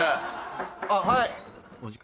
あっはい。